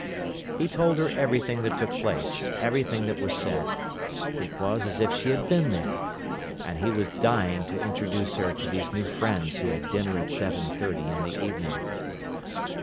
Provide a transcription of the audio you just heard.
He told her everything that took place, everything that was said. It was as if she had been there. And he was dying to introduce her to these new friends who had dinner at seven thirty in the evening.